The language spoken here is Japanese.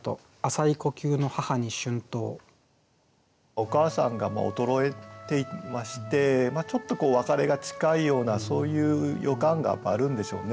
お母さんがもう衰えていましてちょっとこう別れが近いようなそういう予感があるんでしょうね。